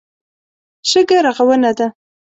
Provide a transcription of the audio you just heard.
شګه رغونه ده.